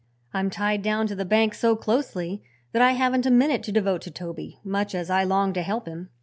I'm tied down to the bank so closely that I haven't a minute to devote to Toby, much as I long to help him.